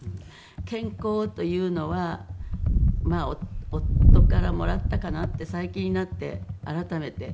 健康というのは夫からもらったかなって最近になって改めて。